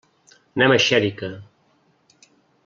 Anem a Xèrica.